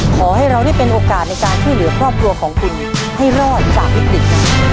ขอให้เราได้เป็นโอกาสในการช่วยเหลือครอบครัวของคุณให้รอดจากวิกฤตนั้น